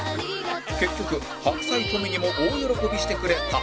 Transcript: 結局白菜トミにも大喜びしてくれた